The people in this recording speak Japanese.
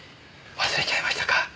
忘れちゃいましたか。